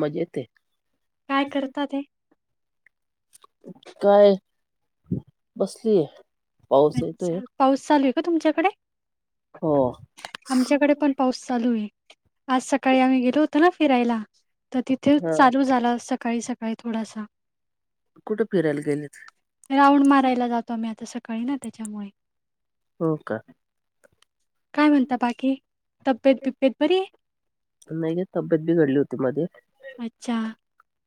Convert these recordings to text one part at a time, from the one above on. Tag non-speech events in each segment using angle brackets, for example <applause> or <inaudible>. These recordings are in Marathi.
मजेत आहे काय करती. करता ते? काय बसलीय. पाऊस येतोय अच्छा पाऊस चालू आहे का तुमच्याकडे? हो आमच्याकडे पण पाऊस चालू आहे आज सकाळी आम्ही गेलो होत ना फिरायला तर तिथे हा चालू झाला सकाळी-सकाळी थोडासा. कुठे फिरायला गेले होते? राऊंड मारायला जातो आम्ही आता सकाळी ना त्याच्यामुळे हो का. काय म्हणता बाकी तब्येत बिब्येत बरी नाही ग तब्येत बी घडली होती मध्ये अच्छा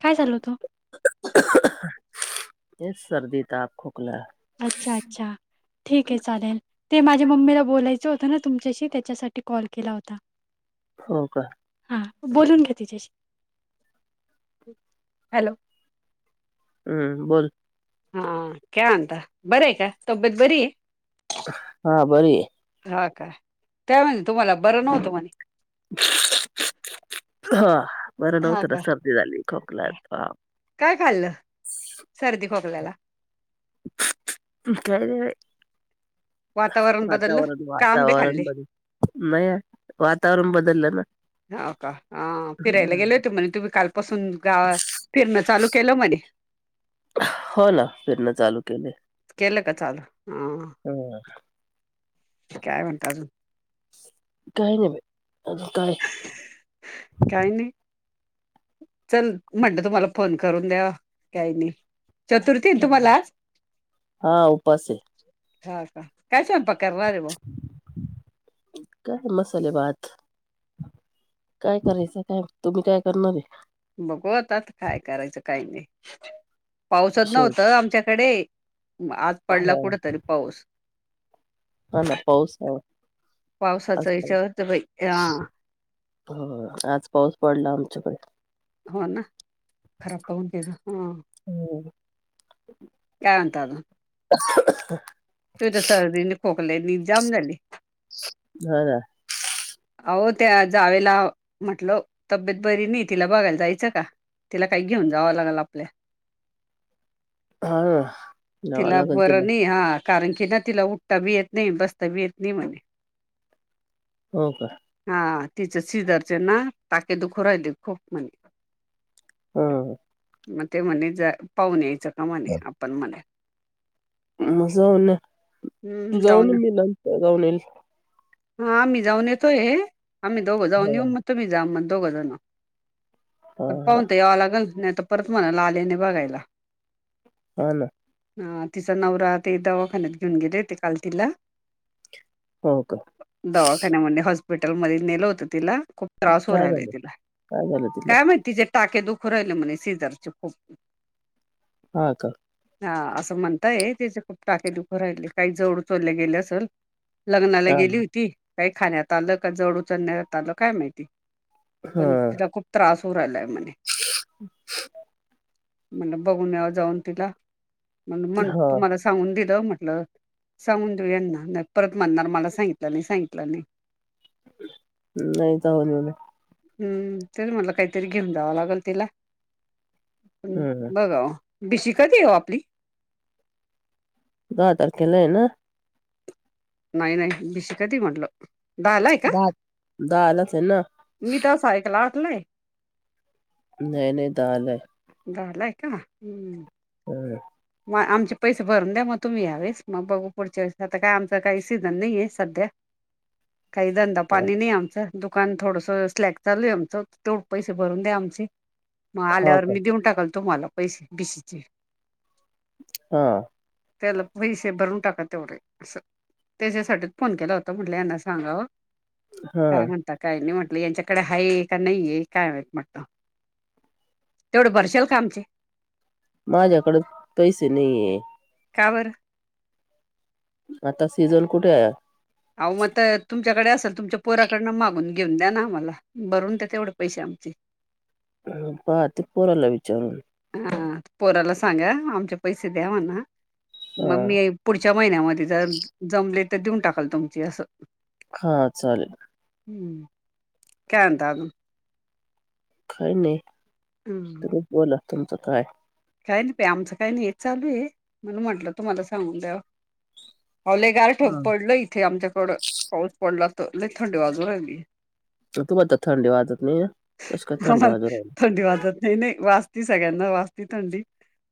काय चालवतो? एस सर्दी तप खोकला अच्छा अच्छा ठीक आहे चालेल ते माझ्या मम्मीला बोलायचं होतं ना तुमच्याशी त्याच्यासाठी कॉल केला होता हो का हा बोलून घ्या तिच्याशी हॅलो. हम्म बोल. हा काय म्हणता बरय का तब्येत बरी हा बरी. ह काय त्या म्हणी तुम्हाला बरं नव्हतं म्हणे <unintelligible> हा बरं हा नव्हतं ना काय सर्दी झाली खोकला ताप काय खाल्लं सर्दी खोकल्याला काही नाही बाई वातावरण बदललं का आंबे खाल्ले वातावरण-वातावरण बर मया वातावरण बदलला ना हो का पासून गावा फिरणं चालू केलं म्हणे. हो ना फिरण चालू केले केलं का चालू हा हम काय म्हणतात अजुन काही नाही बाई अजून काय? काही नाही. चल म्हटलं तुम्हाला फोन करून द्या काही नाही. चतुर्थी तुम्हाला आज हा उपास आहे ह का काय स्वयंपाक करणार ओ काय मसाले भात. काय करायचं काय तुम्ही काय करणार आहे? बघू आता आता काय करायचं काही नाही पाऊसच शेव नव्हत आमच्याकडे आज पडला हा कुठ तरी पाऊस. हा ना पाऊस ह आज पावसाचा विचार तर बाई हा हो आज पाऊस पडला आमच्याकडे. हो ना खराब पाहून दे जा हो. काय म्हणता अजून? <unintelligible> तू तर सर्दी ना खोकल्याने जाम झाली. हो ना. अहो त्या जावेला म्हटलं तब्येत बरी नाही तिला बघायला जायचं का? तिला काही घेऊन जावं लागल आपल्या हा ना जावं लागल तिला तिलाबरनी हा कारण की ना तिला उठता बी येत नाही बसता बी येत नाही म्हणे हो का हा तिचे सिजरचे ना टाके दुख राहिले खूप म्हने. ह मग ते म्हणे जा पाहून यायचं का म्हणे आपण म्हण. म जाऊन तू जाऊन मी नंतर जाऊन येईल. हा आम्ही जाऊन येतोय हे आम्ही दोघं जाऊन येऊ ह मग तुम्ही जा मग दोघं जण हा प हा पाहून तर यावं लागल नाही तर परत म्हणाला आल्याने बघायला. हो ना तिचा नवरा ते दवाखान्यात घेऊन गेले ते काल तिला हो का, दवाखान्या म्ह हॉस्पिटलमध्येध्ये नेलं होतं तिला खूप त्रास हो काय राहिलाय झालं तिला काय झालं तिला काय माहिती तिचे टाके दुख राहिले म्हणे सिजरचे खूप हा का. हा असं म्हणताय त्याचे खूप टाके दुखू राहिले काही जड उचलल्या गेले असल. लग्नाला हा गेली होती काही खाण्यात आलं का जड उचलण्यात आलं काय माहिती? हा पण तिला खूप त्रास होऊ राहिलाय म्हणे म्हला बघून याव जाऊन तिला म मग हा तुम्हाला सांगून दिलं म्हटलं सांगून देऊ यांना नाही परत म्हणणार मला सांगितला, नाही सांगितलं नाही, नाही तर हो हो हम्म त म्हटला काहीतरी घेऊन जावं लागेल तिला हम्म बघा बिशी कधी हो आपली दहा तारखेला आहे ना, नाही नाही भिशी कधी म्हटलं? दहाला आहे का दहा दहालच हे ना मी तर सायकला आटलंय नाही नाही दहा ला दहा ला आहे का? हम् मग आमचे पैसे भरून द्या मग तुम्ही यावेळेस मग बघु पुढच्या वेळे आता काय आमच काही सीझजन नाही आहेे सध्या <inaudible> काही धंदा पाणी नाही आमचं दुकान थोडंसं स्लॅग चालू आहे आमचं ते पैसे भरून द्या आमचे मग हा आल्यावर का मी देऊन टाकाल तुम्हाला पैसे बीसीचे हा त्याला पैसे भरून टाकत तेवढे असं त्याच्यासाठी फोन केला होता म्हटलं यांना सांगा हा काय म्हणतात. काही नाही म्हटलं यांच्याकडे हाय का नाहीय काय म्हटलं. तेवढे भरशल का आमचे माझ्याकड पैसे नाहीये. का बर. आता सीझन कुठे आहे? अह मग तर तुमच्याकडे असेल तुमच्या पोराकडनं मागून घेऊन द्या ना आम्हाला भरून त्या तेवढे पैसे आमचे पाहते पोराला विचारून हा पोराला सांगा आमचे पैसे द्यावना हा मग मी. पुढच्या महिन्यामध्ये जर जमले तर देऊन टाकाल तुमची असं. हा चालेल. हम्म कय द ू खाय नाही. हम् तुम्ही बोला तुमचं काय? काही नाही प आमचं काही नाही हे चालू आहे म्हण म्हटलं तुम्हाला सांगून दयावा पावले गार ठोक पडलं इथे आमच्याकडं पाऊस पडला तर नाही थंडी वाजू राहिली. तुम्हाला तर थंडी वाजत नाही कशी काय थंडी वाजून राहि. धन्यवाद! नाही नाही वाचती सगळ्यांना वाचती थंडी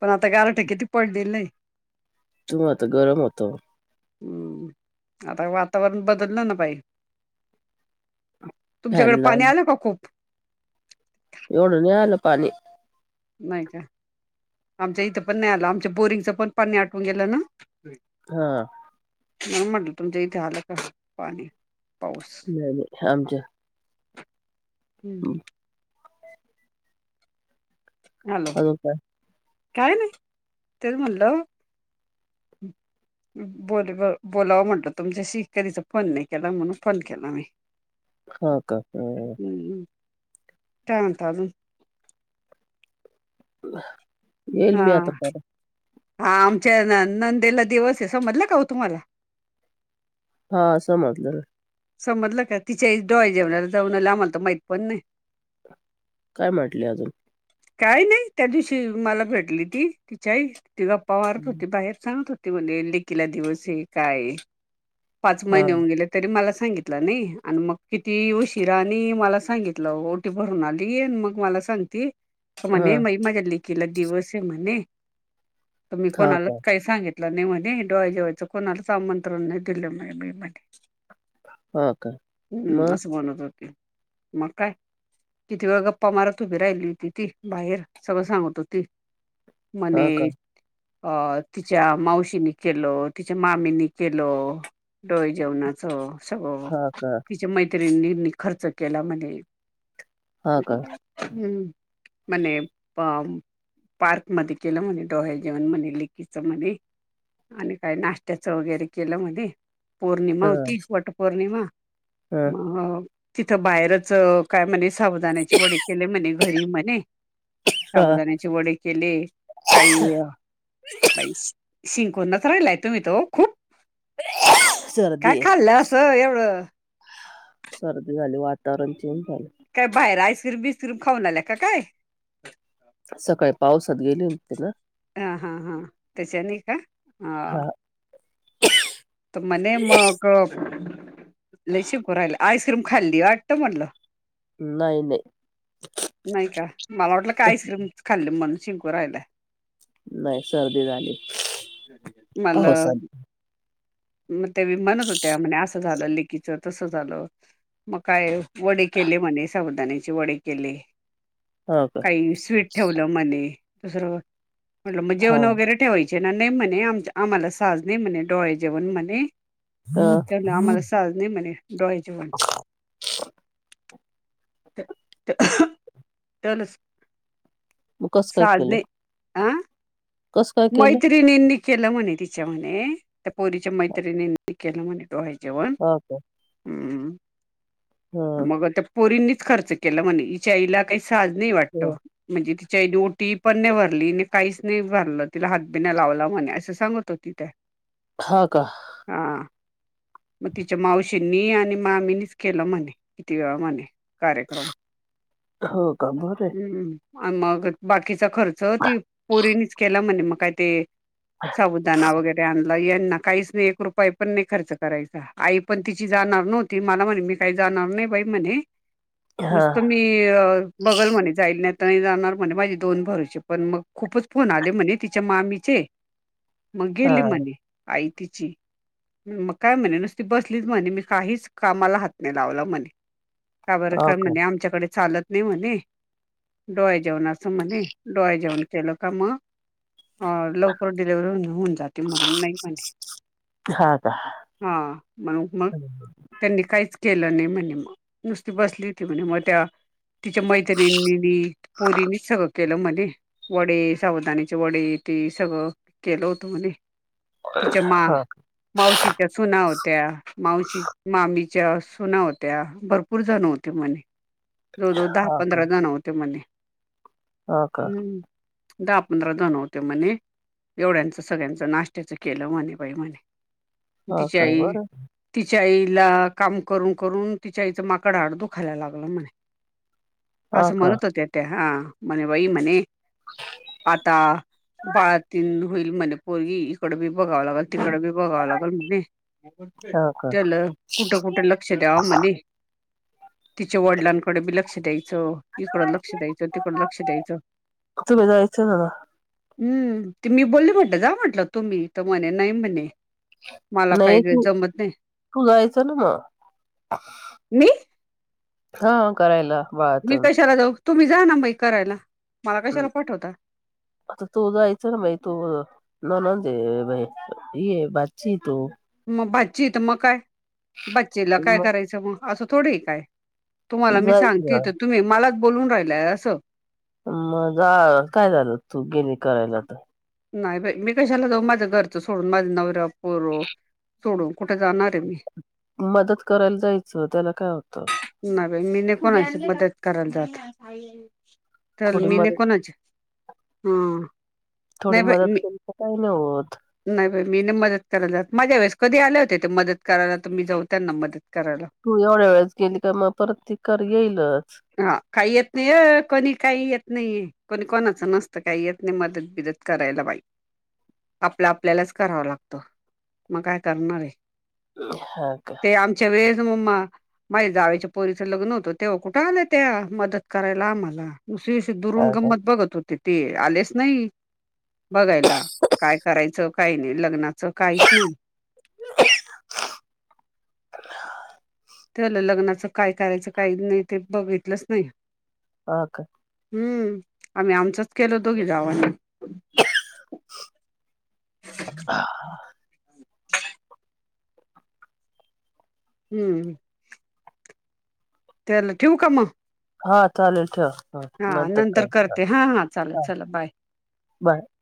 पण आता गारठ किती पडलेली नाही. तू्हाता गरम होतो. ह्म आता वातावरण बदललं ना बाई तुमच्याकडे फॅन पाणी लावून आलं का खूप. एवढं नाही आलं पाणी. नाही का आमच्या इथं पण नाही आलं आमच्या बोरिंगच पण पाणी आटून गेलं ना, हा मग म्हटलं तुमच्या इथे आलं का पाणी पाऊस नाही नाही आमच्या हम्म हॅलो अजून काय काय नाही ते म्हणल बोल ब बोलावं म्हटलं तुमच्याशी कधीचा फोन नाही केला म्हणून फोन केला मी. <inaudible> हाता हम्. टेवन थाजून. <inaudible> <inaudible> येईल हा मी आता परत हा आमच्या नंदेला दिवस आहे समजलं का हो तुम्हाला? हा असं म्हटलं. समजलं का तिच्याई डोहाळे जेवणाला जऊनला आम्हाला तर माहित पण नाही. काय म्हटले अजून? काही नाही त्या दिवशी मला भेटली ती तिच्यी आई ति ग पवारत होती बाहेर सांगत होती म्हण लेखिला दिवस आहे काय? पाच हा महिने होऊन गेले तरी मला सग सांगितलं नाही आणि मग किती उशिरा आणि मला सांगितलं ओटी भरून आली मग मला. सांगती. त हा म्हणे मई माझ्या लेखीला दिवस आहे म्हणे त मी हा कोणालाच का काय. सांगितलं नाही म्हणे डोहाळे जेवायचं कोणाला आमंत्रण नाही दिलं म मी म्हणे. हा. का हम्म मग असं म्हणत होते. मग काय किती वेळ गप्पा मारत उभी राहिली होती ती बाहेर सगळं सांगत होती. ते हा का म्हणे. अ तिच्या मावशीनी केल तिच्या मामीनी केलं. डोळे जेवणाचं सगळं हा का तिच्या मैत्रिनीनी खर्च केला म्हणे. हा का. हम्म मने पम. पार्क मध्येे केलं म्हणे डोहाळे जेवण म्हणे लेखीच मध्ये आणि काही नाश्त्याचं वगैरे केलं मध पौर्णिमा हा होतीच वट पौर्णिमा अ तिथं बाहेरच काय म्हणे साबुदाानाची वडी केले म्हणे घरी म्हणे हा साबुदानी. वडे केले काही. बाई शिंकून नच राहिलाय तुम्ही तो खूप. काय सर्दी खाल्लं आहे असं एवढं सर्दी झाली वातावरण चेंज झाले. काय बाहेर आईस्क्रीम बिस्क्रीम खाऊन आल्या का काय? सकाळी पावसात गेली होते ना. हा हा हा त्याच्याने का हा तर म्हणे मग लई शिंकू राहिला आईस्क्रीम खाल्ली वाटत म्हटलं नाही नाही. नाही का मला वाटलं काय आईस्क्रीम खाल्ली म्हणून शिंकू राहिलाय. नाही सर्दी झाली मला पावसात मग ते म्हणत होत्या म्हणे असं झालं लेकिच. तसं झालं मग काय वडे केली म्हणे साबुदाण्याची वडे केली. हा का काही स्वीट ठेवलं म्हणे दुसरं म्हटलं मग हा जेवण वगैरे ठेवायच. नाही म्हणे आम आम्हाला साज नाही म्हणे डोहाळे जेवण म्हणे हा त्यांण आम्हाला सहज नाही म्हणे डोहाळे जेवण चल मग कस काय केलं साडने अं कस काय केलं मैत्रीणीनी. केलं म्हणे तिच्या म्हणे त्या पोरीच्या मैत्रिणी केलं म्हणे डोहाळे जेवण. हो काे. हम्म मग त्या पोरींनीच खर्च केला म्हणे तिच्या आईला काही साज नाही वाटत हा. म्हणजे तिच्या आई ओटी पण नाही भरली आणि काहीच नाही भरलं. तिला हात बिन लावला म्हणे असं सांगत होती त्या. हा का. हां. मग तिच्या मावशींनी आणि मामीनीच केलं म्हणे किती वेळा म्हणे कार्यक्रम हो का बरे हम्म आनं मग बाकीचा खर्च ती पोरीनीच केला म्हणे मग काय ते साबुदाना वगैरे आण मग यांना काहीच नाय एक रुपया पण नाय खर्च करायचा आई पण तिची जाणार नवं ती मला म्हणे मी काही जाणार नाय बाई म्हणे हा नुसत मी ती बघल म्हणे जाईल नाय तर जाणार म्हणे माझे दोन भावांचे पण मग खूपच फोन आले. म्हणे तिच्या मामीचे मग हा गेली म्हणे आई तिची मग काय म्हणे नुसती बसलीच म्हणे मी काहीच कामाला हात नाही लावला म्हणे का बर का म्हणे आमच्याकडे चालत नाय म्हणे डोहाळे जेवण असं म्हणे डोहाळे जेवन केलं का म हा लवकर डिलिव्हरी होऊन होऊन जात. ते म्हणून नाही म्हणले हा का हा म्हणून मग हा त्यांनी काहीच केलं नाय म्हणे म नुसती बसली होती म्हणे म त्या तिच्या मैत्रिणीनी, पोरीनी सगळं केलं म्हणे वडे साबुदान्याचे वडी ते सगळं केलं होत म्हने तिच्या मा का मावशीच्या सुना होत्या मावशी, मामी च्या सुना होत्या भरपूर जण होते म्हणे जवळजवळ दहा हा पंधरा जण होते म्हणे हो का हम्म दहा पंधरा जण होते म्हणे एवढ्यांचं सगळ्यांचं नाश्त्याचं केलं म्हणे बाई म्हणे हा तिची का आई बरं तिच्या आईला काम करून करून तिच्या आईचं माकड हाड दुखायला लागलं म्हणे हा असं का म्हणत होत्या त्या हा म्हणे बाई म्हणे <inaudible> आता बाळ तीन होईल म्हणे पोरगी इकड बी बघावं लागल तिकड बी बघावं लागल म्हणली. हा का चल कुठं कुठे लक्ष द्याव म्हणे तिच्या वडिलांकडे बी लक्ष द्यायचं इकडं लक्ष द्यायचं तिकडं लक्ष द्यायचं. तुम्ही जायचं ना म हम्म ते मी बोलली म्हटलं जा म्हटलं तुम्ही तर म्हणे नाय म्हणे मला नाही काही तू जमत नाही तू जायच ना म मी हा करायला. मी बाळातून कशाला जाऊ तुम्ही जा ना मई करायला. मला कशाला पाठवता. आता तू जायचं ना बाई तू ननंद हे बाय हे भाचीये तू मग भाची ये त म काय भाचीला काय करायचं मग असं थोडिये काय तुम्हाला मी सांगते जायचं त तुम्ही मलाच बोलून राहिलाय असं मजा काय झालं तू गेली करायला त नाय बाय मी कशाला जाऊ माझं घरचं सोडून माझ नवऱ्या पोर सोडून कुठ जाणार तमी मदत करायला जायचं त्याला काय होतं. नाय बाई मी नाय कोणाची मदत करायला जात. तर थोडी मी नाय मदत कोणाची हा थोडी मदत केली तर काय नाय होत. नाय मी नाय मदत करायला जात माझ्या वेळेस कधी आल्या होत्या त्या मदत करायला त मी जाऊ त्यांना मदत करायला. तू एवढ्या वेळेस गेली का मग परत कर येईलच. हा काय येत नाय अ कोणी काही येत नाहीेये. कोणी कोणाचं नसतं काही येत नाही मदत बिदत करायला बाई आपलं आपल्यालाच करावं लागतं मग काय करणारये. हा का सगळेच म म्मा माझ्या जावेच्या पोरीचं लग्न होतं तेव्हा कुठं आल्या त्या मदत करायला आम्हाला. उसरी दुरून हा का गं्मत बघत होती. ते आलेच नाही बघायला काय करायचं काय नाही लग्नात काहीच नाही <inaudible> <inaudible> तेलं लग्नाचं काय करायचं काही नाही ते बघितलंच नाही. हा का, हम्म आम्ही आमचच केल दोघी जावांना हा ह हम्म ते आले ठेवू काय मग हा चालेल ठेव ह हा न तर नंतर कर करते हा चालेल हा चला बाय. बाय